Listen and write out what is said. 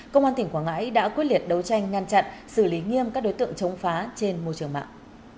công an tỉnh quảng ngãi đã quyết liệt đấu tranh ngăn chặn xử lý nghiêm các đối tượng chống phá trên môi trường mạng